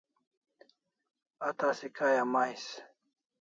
A tasi kay amais